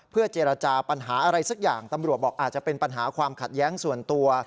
เพื่อเจรจาปัญหาอะไรสักอย่างตำรวจบอกอาจจะเป็นปัญหาความขัดแย้งส่วนตัว